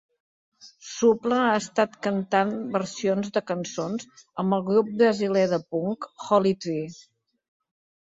Supla ha estat cantant versions de cançons amb el grup brasiler de punk Holly Tree.